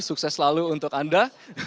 sukses selalu untuk anda